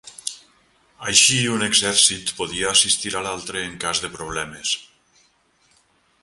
Així un exèrcit podia assistir a l'altre en cas de problemes.